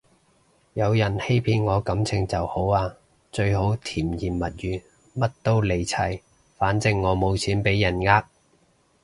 有人欺騙我感情就好啊，最好甜言蜜語乜都嚟齊，反正我冇錢畀人呃